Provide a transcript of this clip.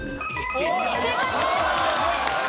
正解です。